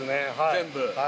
全部。